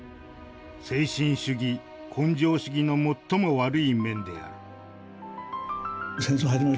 精神主義根性主義の最も悪い面である」。